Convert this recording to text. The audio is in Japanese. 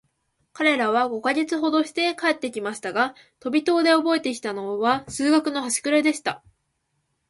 彼等は五ヵ月ほどして帰って来ましたが、飛島でおぼえて来たのは、数学のはしくれでした。